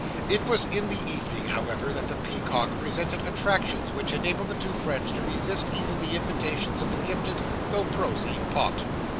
It was in the evening, however, that the Peacock presented attractions which enabled the two friends to resist even the invitations of the gifted, though prosy, Pott.